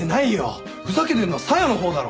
ふざけてるのは小夜の方だろ。